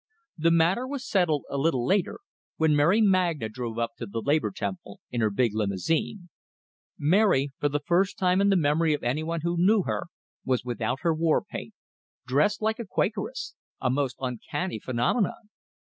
The matter was settled a little later, when Mary Magna drove up to the Labor Temple in her big limousine. Mary, for the first time in the memory of anyone who knew her, was without her war paint; dressed like a Quakeress a most uncanny phenomenon!